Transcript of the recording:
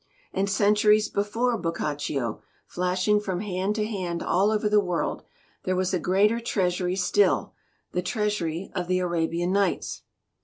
"And centuries before Boccaccio, flashing from hand to hand all over the world, there was a greater treasury still, the treasury of The Arabian Nights.